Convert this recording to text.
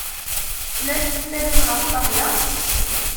Llant tektabin ɣef ṭṭabla?